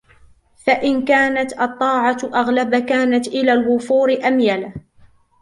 فَإِنْ كَانَتْ الطَّاعَةُ أَغْلَبَ كَانَتْ إلَى الْوُفُورِ أَمْيَلَ